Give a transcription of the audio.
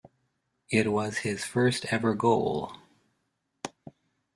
It was his first ever goal.